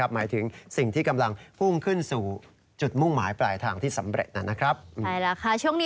หมายถึงสิ่งที่กำลังพุ่งขึ้นสู่จุดมุ่งหมายปลายทางที่สำเร็จนะครับ